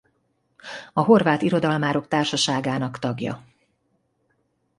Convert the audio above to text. A Horvát Irodalmárok Társaságának tagja.